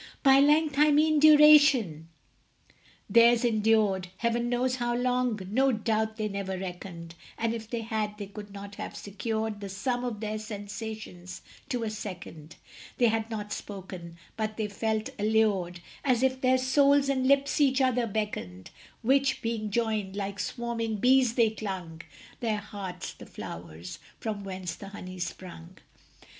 By length I mean duration; theirs endured Heaven knows how long no doubt they never reckoned; And if they had, they could not have secured The sum of their sensations to a second: They had not spoken; but they felt allured, As if their souls and lips each other beckoned, Which, being joined, like swarming bees they clung Their hearts the flowers from whence the honey sprung.